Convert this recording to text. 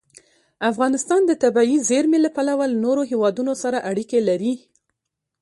افغانستان د طبیعي زیرمې له پلوه له نورو هېوادونو سره اړیکې لري.